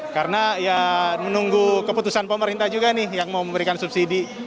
karena ya menunggu keputusan pemerintah juga nih yang mau memberikan subsidi